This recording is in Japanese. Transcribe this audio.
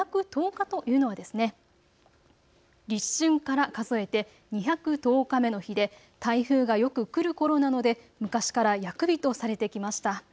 ２１０日というのは立春から数えて２１０日目の日で台風がよく来るころなので昔から厄日とされてきました。